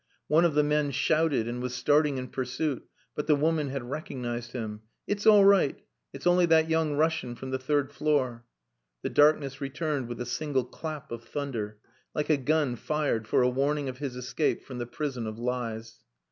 One of the men shouted, and was starting in pursuit, but the woman had recognized him. "It's all right. It's only that young Russian from the third floor." The darkness returned with a single clap of thunder, like a gun fired for a warning of his escape from the prison of lies.